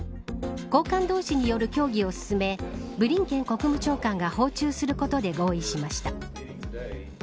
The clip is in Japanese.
高官同士による協議を進めブリンケン国務長官が訪中することで合意しました。